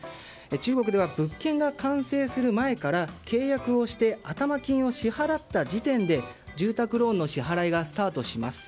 中国では物件が完成する前から契約をして頭金を支払った時点で住宅ローンの支払いがスタートします。